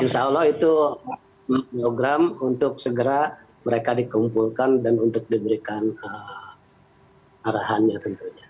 insya allah itu program untuk segera mereka dikumpulkan dan untuk diberikan arahannya tentunya